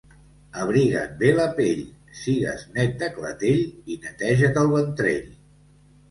Abriga't bé la pell, sigues net de clatell i neteja't el ventrell.